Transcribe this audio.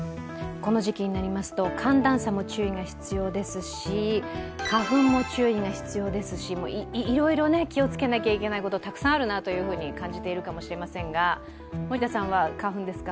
この時期になりますと寒暖差も注意が必要ですし花粉も注意が必要ですし、いろいろ気をつけなきゃいけないことはたくさんあるなと感じているかもしれませんが森田さんは花粉ですか？